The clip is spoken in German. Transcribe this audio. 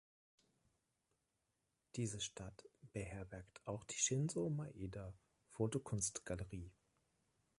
Diese Stadt beherbergt auch die Shinzo Maeda Fotokunst-Galerie.